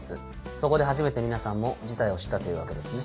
そこで初めて皆さんも事態を知ったというわけですね。